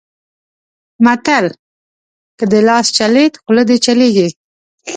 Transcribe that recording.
متل؛ که دې لاس چلېد؛ خوله دې چلېږي.